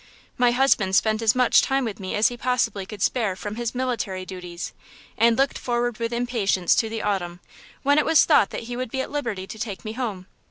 My husband spent as much time with me as he possibly could spare from his military duties, and looked forward with impatience to the autumn, when it was thought that he would be at liberty to take me home.